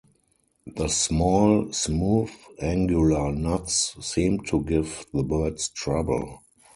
The small, smooth, angular nuts seemed to give the birds trouble.